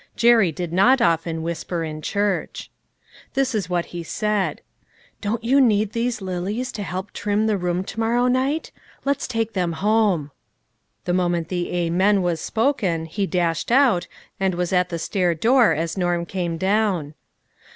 Jerry did not of ten whisper in church. This was what he said :" Don't you need those lilies to help trim the room to morrow night ? Let's take them home." The moment the "amen" was spoken, he dashed out, and was at the stair door as Norm came down.